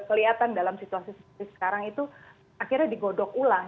kelihatan dalam situasi seperti sekarang itu akhirnya digodok ulang